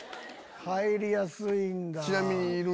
入りやすいんだ。